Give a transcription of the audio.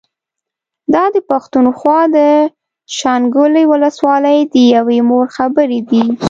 دا د پښتونخوا د شانګلې ولسوالۍ د يوې مور خبرې دي